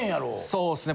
そうですね